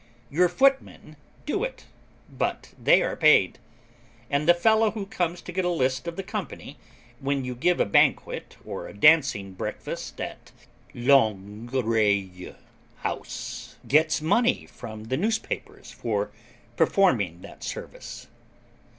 Your footmen do it, but they are paid; and the fellow who comes to get a list of the company when you give a banquet or a dancing breakfast at Longueoreille House, gets money from the newspapers for performing that service.